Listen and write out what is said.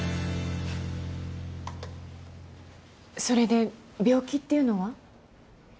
それで病気っていうのは？